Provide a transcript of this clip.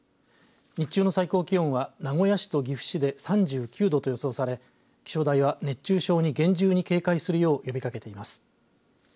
日中の最高気温は名古屋市と岐阜市で３９度と予想され気象台は熱中症に厳重に警戒するよう呼びかけています。